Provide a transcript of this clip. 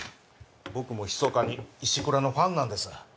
僕もひそかに石倉のファンなんです。